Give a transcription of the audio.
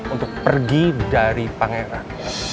untuk pergi dari pangeran